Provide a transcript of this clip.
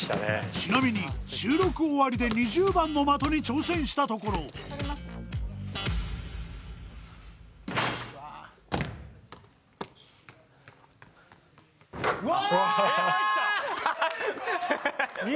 ちなみに収録終わりで２０番の的に挑戦したところうわ！